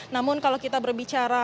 namun kalau kita berbicara